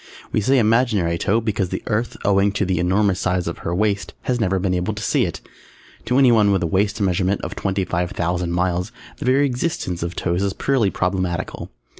We say imaginary toe because the Earth, owing to the enormous size of her waist, has never been able to see it. To anyone with a waist measurement of twenty five thousand miles the very existence of toes is purely problematical.